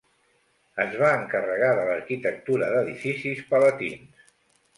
Es va encarregar de l'arquitectura d'edificis palatins.